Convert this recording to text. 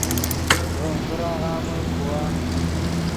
ڤیم فراغامے کوا